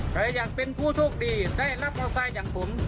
ใครอยากเป็นผู้โชคดีได้รับโอกาสอย่างผม